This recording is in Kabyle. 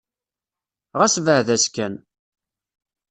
Ɣas beɛɛed-as kan.